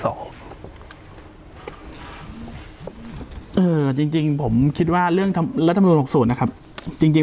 เออจริงผมคิดว่าเรื่องธรรมดุลหกศูนย์นะครับจริง